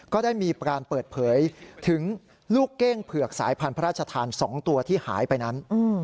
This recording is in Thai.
ก็ได้มีการเปิดเผยถึงลูกเก้งเผือกสายพันธุ์พระราชทาน๒ตัวที่หายไปนั้น